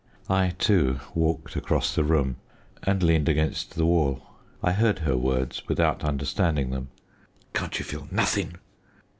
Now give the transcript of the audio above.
I, too, rose, walked across the room, and leaned against the wall. I heard her words without understanding them. "Can't you feel nothin'?